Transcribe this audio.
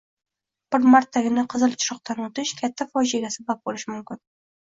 bir martagina qizil chiroqdan o‘tish – katta fojeaga sabab bo'lishi mumkin.